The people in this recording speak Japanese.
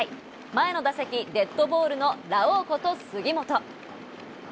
前の打席、デッドボールのラオウこと杉本。